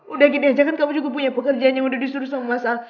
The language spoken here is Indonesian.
udah gini aja kan kamu juga punya pekerjaan yang udah disuruh sama mas a